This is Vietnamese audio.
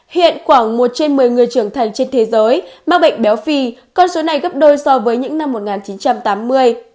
hiện khoảng một trên một mươi người trưởng thành trên thế giới mắc bệnh béo phì con số này gấp đôi so với những năm một nghìn chín trăm tám mươi